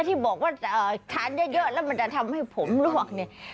ที่บอกว่าทานเยอะแล้วมันจะทำให้ผมลวกเนี่ย